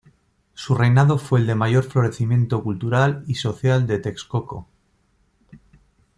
Su reinado fue el de mayor florecimiento cultural y social de Texcoco.